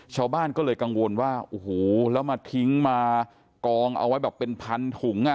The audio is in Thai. ชาวบ้านก็เลยกังวลว่าโอ้โหแล้วมาทิ้งมากองเอาไว้แบบเป็นพันถุงอ่ะ